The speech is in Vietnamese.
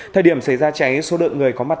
thời điểm xảy ra cháy số lượng người có mặt